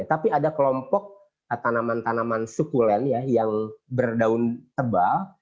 tapi ada kelompok tanaman tanaman sukulen yang berdaun tebal